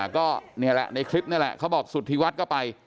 ก็นี่แหละในคลิปนี่แหละเขาบอกสุธิวัฒน์ก็ไป